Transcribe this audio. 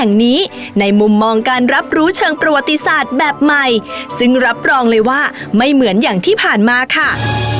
แห่งนี้ในมุมมองการรับรู้เชิงประวัติศาสตร์แบบใหม่ซึ่งรับรองเลยว่าไม่เหมือนอย่างที่ผ่านมาค่ะ